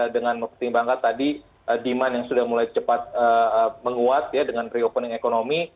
dengan mempertimbangkan tadi demand yang sudah mulai cepat menguat ya dengan reopening ekonomi